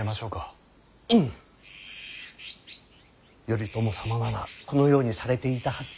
頼朝様ならこのようにされていたはず。